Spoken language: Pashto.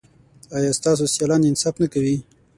ایا ستاسو سیالان انصاف نه کوي؟